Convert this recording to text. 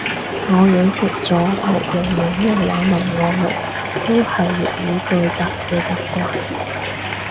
我養成咗無論用咩話問我路都係粵語對答嘅習慣